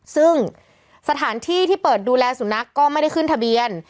ซึ่งสถานที่ที่เปิดดูแลสุนัขก็ไม่ได้ขึ้นทะเบียน